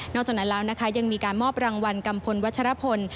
จากนั้นแล้วนะคะยังมีการมอบรางวัลกัมพลวัชรพล